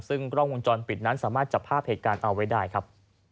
ซึ่งกล้องวงจรปิดนั้นสามารถจับภาพเหตุการณ์เอาไว้ได้ครับ